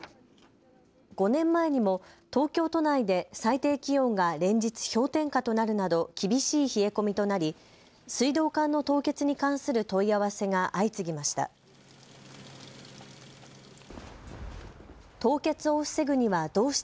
５年前にも東京都内で最低気温が連日氷点下となるなど厳しい冷え込みとなり水道管の凍結に関する問い合わせが相次ぎました。